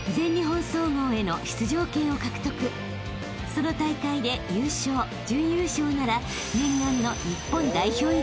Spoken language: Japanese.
［その大会で優勝準優勝なら］